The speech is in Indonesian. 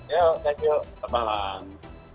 ya thank you selamat malam